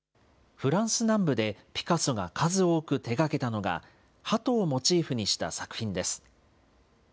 フランス南部でピカソが数多く手がけたのが、ハトをモチーフにした作品です。